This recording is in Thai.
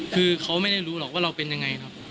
คือเขาไม่ได้รู้หรอกว่าเราเป็นยังไงครับ